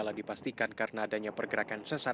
gempa kemarin itu ada juga pergerakan tanah